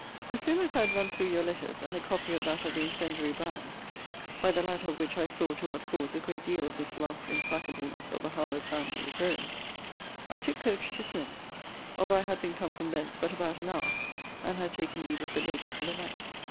As soon as I had run through your letters, and the copy of that of the incendiary Brand's, (by the latter of which I saw to what cause a great deal of this last implacableness of the Harlowe family is owing,) I took coach to Smith's, although I had been come from thence but about an hour, and had taken leave of the lady for the night.